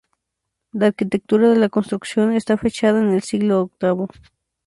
La arquitectura de la construcción está fechada en el siglo octavo.